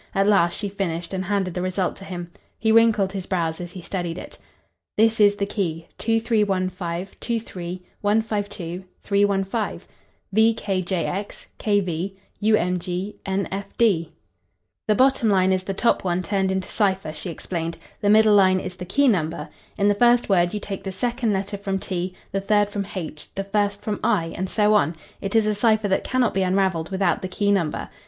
At last she finished, and handed the result to him. He wrinkled his brows as he studied it. THIS IS THE KEY 2315 23 152 315 VKJX KV UMG NFD "The bottom line is the top one turned into cipher," she explained. "The middle line is the key number. In the first word you take the second letter from T, the third from H, the first from I, and so on. It is a cipher that cannot be unravelled without the key number.